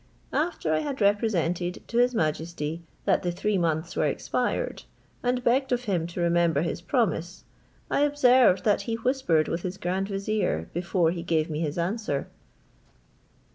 After I had represented to his majesty that the three months were expired, and begged of him to remember his promise, I observed that he whispered with his grand vizier before he gave me his answer."